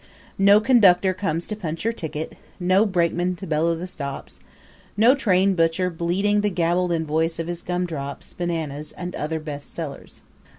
No conductor comes to punch your ticket, no brakeman to bellow the stops, no train butcher bleating the gabbled invoice of his gumdrops, bananas and other best sellers.